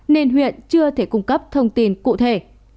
nên huyện chưa thể cung cấp thông tin cụ thể